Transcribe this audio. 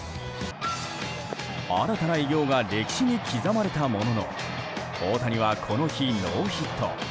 新たな偉業が歴史に刻まれたものの大谷は、この日ノーヒット。